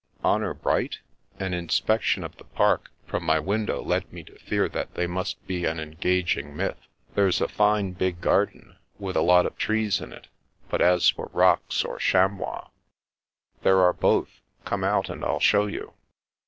" Honour bright ? An inspection of the park from my window led me to fear that they must be an en gaging myth. There's a fine big garden, with a lot of trees in it, but as for rocks or chamois "" There are both. Come out and FU show you."